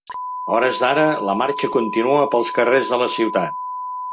A hores d’ara la marxa continua pels carrers de la ciutat.